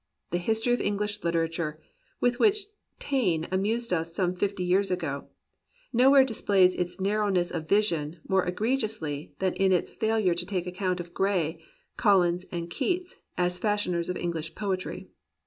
The History of English LiteraturCy with which Taine amused us some fifty years ago, nowhere displays its narrowness of vision more egre giously than in its failure to take account of Gray, 176 THE POET OF IMMORTAL YOUTH Collins, and Keats as fashioners of English poetry.